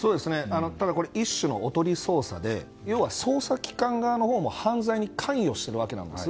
これは、一種のおとり捜査で要は捜査機関側のほうも犯罪に関与しているわけなんです。